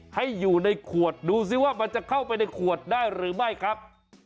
ให้อยู่ในขวดดูสิว่ามันจะเข้าไปในขวดได้หรือไม่ครับ